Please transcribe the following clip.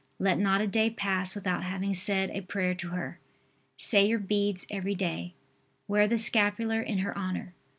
Let not a day pass without having said a prayer to her. Say your beads every day. Wear the scapular in her honor.